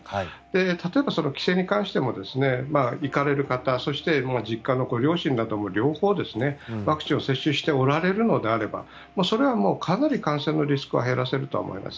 例えば、帰省に関しても行かれる方そして実家のご両親などもワクチンを接種しておられるのであればそれはもうかなり感染のリスクは減らせると思います。